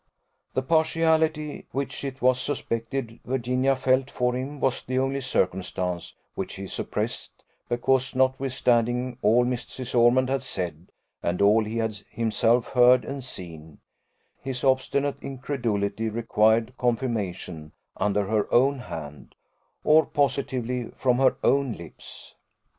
The partiality which it was suspected Virginia felt for him was the only circumstance which he suppressed, because, notwithstanding all Mrs. Ormond had said, and all he had himself heard and seen, his obstinate incredulity required confirmation under her own hand, or positively from her own lips.